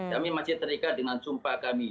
kami masih terikat dengan sumpah kami